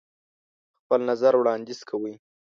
خپل نظر وړاندیز کوئ.